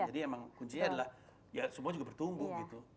jadi emang kuncinya adalah ya semua juga bertumbuh gitu